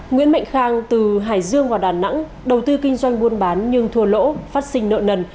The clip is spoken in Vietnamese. nguyễn mạnh khang từ hải dương vào đà nẵng đầu tư kinh doanh buôn bán nhưng thua lỗ phát sinh nợ nần